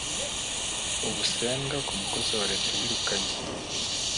ubusembwa ku mukozi wa Leta wirukanywe